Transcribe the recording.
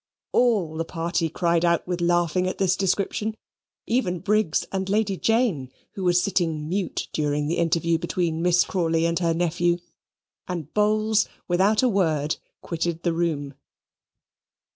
All the party cried out with laughing at this description; even Briggs and Lady Jane, who was sitting mute during the interview between Miss Crawley and her nephew: and Bowls, without a word, quitted the room.